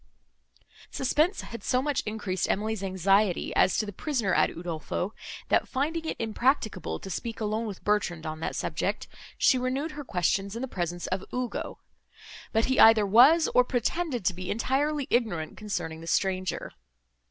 Suspense had so much increased her anxiety, as to the prisoner at Udolpho, that, finding it impracticable to speak alone with Bertrand, on that subject, she renewed her questions in the presence of Ugo; but he either was, or pretended to be entirely ignorant, concerning the stranger.